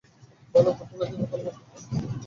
ভালো ফুটবলের জন্য ভালো মাঠ দরকার।